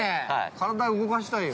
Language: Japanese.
体動かしたいよ。